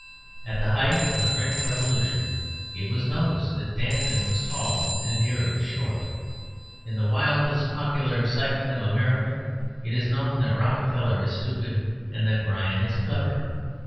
At the height of the French Revolution it was noticed that Danton was tall and Murat short. In the wildest popular excitement of America it is known that Rockefeller is stupid and that Bryan is clever.